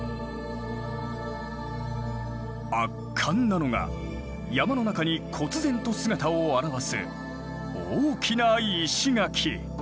圧巻なのが山の中に忽然と姿を現す大きな石垣。